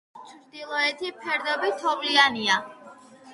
მთის ჩრდილოეთი ფერდობი თოვლიანია.